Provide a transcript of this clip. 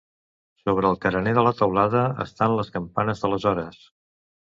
Sobre el carener de la teulada, estan les campanes de les hores.